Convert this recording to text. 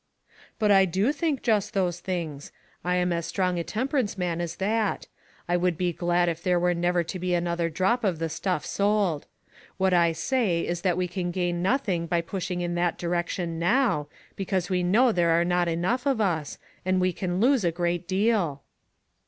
" But I do think just those things. I am as strong a temperance man as that. I would be glad if there were never to be another drop of the stuff sold. What I say is that we can gain nothing by pushing in that direction now^ because we know there PARALLELS. 3 1 I are not enough of us, and we can lose a great deal."